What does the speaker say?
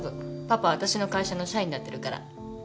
パパわたしの会社の社員になってるから。